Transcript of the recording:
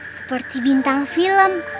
seperti bintang film